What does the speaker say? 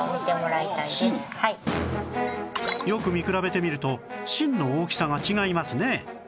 よく見比べてみると芯の大きさが違いますね